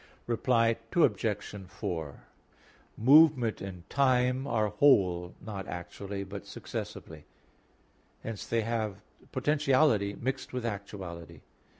Reply Obj. 4: Movement and time are whole, not actually but successively; hence they have potentiality mixed with actuality.